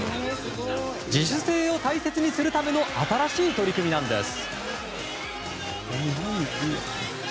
自主性を大切にするための新しい取り組みなんです。